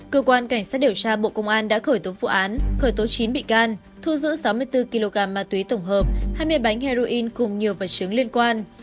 cơ quan cảnh sát điều tra bộ công an đã khởi tố vụ án khởi tố chín bị can thu giữ sáu mươi bốn kg ma túy tổng hợp hai mươi bánh heroin cùng nhiều vật chứng liên quan